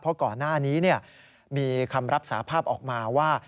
เพราะก่อนหน้านี้มีคำรับสาภาพออกมาว่า